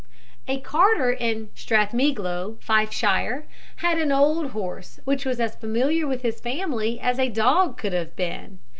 A carter in Strathmiglo, Fifeshire, had an old horse, which was as familiar with his family as a dog could have been.